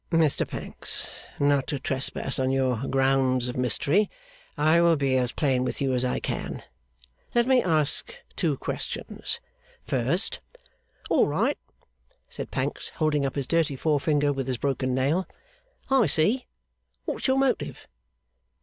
'Mr Pancks, not to trespass on your grounds of mystery, I will be as plain with you as I can. Let me ask two questions. First ' 'All right!' said Pancks, holding up his dirty forefinger with his broken nail. 'I see! "What's your motive?"